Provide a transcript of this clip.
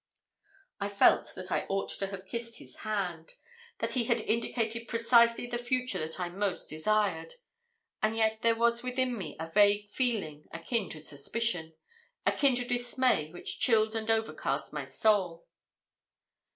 I felt that I ought to have kissed his hand that he had indicated precisely the future that I most desired; and yet there was within me a vague feeling, akin to suspicion akin to dismay which chilled and overcast my soul.